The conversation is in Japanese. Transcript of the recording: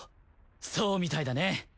そうみたいだね。